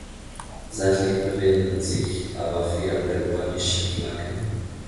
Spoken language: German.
Seitlich befinden sich aber vier peruanische Flaggen.